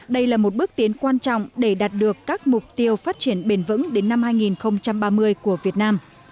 đây là một bước tiến quan trọng để đạt được các mục tiêu phát triển bền vững đến năm hai nghìn ba mươi của việt nam